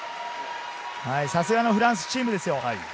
さすがのフランスチームですよ。